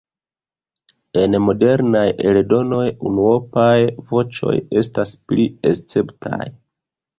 En modernaj eldonoj unuopaj voĉoj estas pli esceptaj.